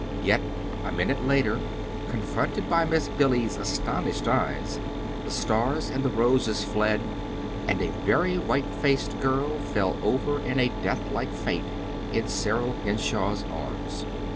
Yet a minute later, confronted by Miss Billy's astonished eyes, the stars and the roses fled, and a very white faced girl fell over in a deathlike faint in Cyril Henshaw's arms.